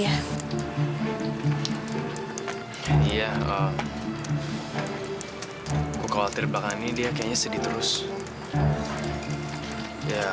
apa harapan diri kita